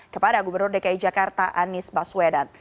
kepada gubernur dki jakarta anies baswedan